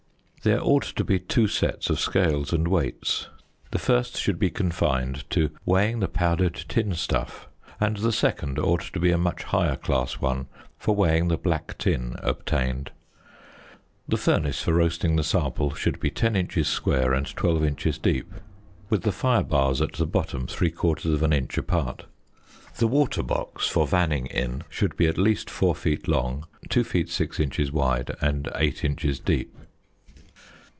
There ought to be two sets of scales and weights: the first should be confined to weighing the powdered tin stuff, and the second ought to be a much higher class one, for weighing the black tin obtained. The furnace for roasting the sample should be 10 inches square and 12 inches deep, with the fire bars at the bottom three quarters of an inch apart. The water box for vanning in should be at least 4 feet long, 2 feet 6 inches wide, and 8 inches deep."